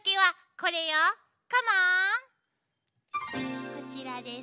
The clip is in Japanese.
こちらです。